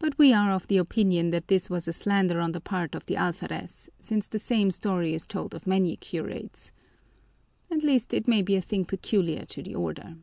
But we are of the opinion that this was a slander on the part of the alferez, since the same story is told of many curates. At least, it may be a thing peculiar to the Order.